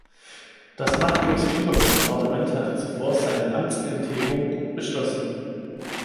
Das machtlose Übergangsparlament hatte zuvor seine Amtsenthebung beschlossen.